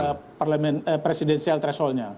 menatangkan akar presidensial thresholdnya